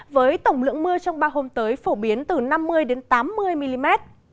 với tổng lượng mưa trong ba hôm tới phổ biến từ năm mươi tám mươi mm